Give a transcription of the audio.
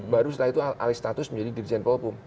baru setelah itu alih status menjadi dirjen polpum